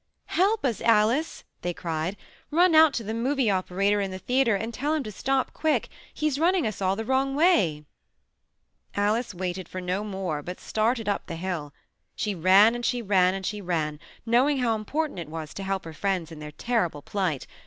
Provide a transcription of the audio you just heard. "Help us, Alice." they cried. "Run out to the movie operator in the theater and tell him to stop, quick. He's running us all the wrong way !" Alice waited for no more but started up the hill. She ran and she ran. and she ran. knowing how important it was to help her friends in their terrible plicht.